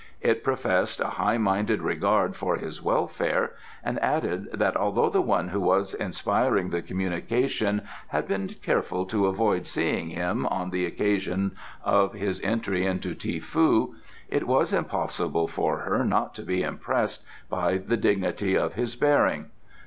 It professed a high minded regard for his welfare, and added that although the one who was inspiring the communication had been careful to avoid seeing him on the occasion of his entry into Ti foo, it was impossible for her not to be impressed by the dignity of his bearing.